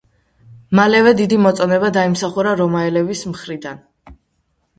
მალევე დიდი მოწონება დაიმსახურა რომაელების მხრიდან.